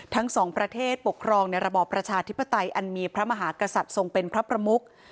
ทั้งสองประเทศปกครองในระบอบประชาธิปไตยอันมีพระมหากษัตริย์ทรงเป็นพระประมุก